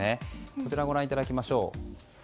こちら、ご覧いただきましょう。